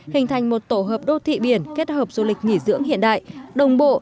hình thành một tổ hợp đô thị biển kết hợp du lịch nghỉ dưỡng hiện đại đồng bộ